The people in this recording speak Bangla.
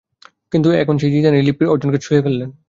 কিন্তু এখন সেই জিদানই লিপ্পির অর্জনকে ছুঁয়ে ফেললেন।